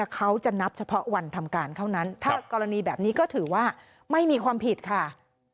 เขาจะนับเฉพาะวันทำการเท่านั้นถ้ากรณีแบบนี้ก็ถือว่าไม่มีความผิดค่ะ